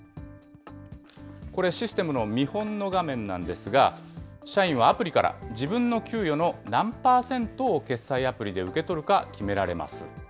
これ、システムの見本の画面なんですが、社員はアプリから自分の給与の何％を決済アプリで受け取るか決められます。